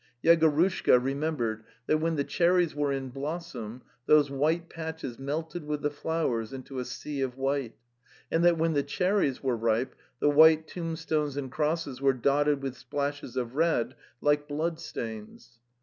Yegorushka re membered that when the cherries were in blossom those white patches melted with the flowers into a sea of white; and that when the cherries were ripe the white tombstones and crosses were dotted with splashes of red like bloodstains.